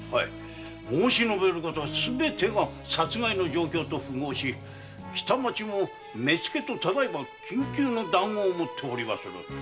申し述べることすべてが殺害の状況と符合し北町も目付とただ今緊急の談合を致しておりまする。